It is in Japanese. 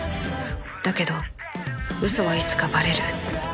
だけど嘘はいつかバレる